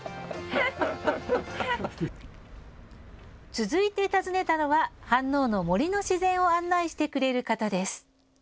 続いて訪ねたのは飯能の森の自然を案内してくれる方です。